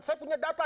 saya punya data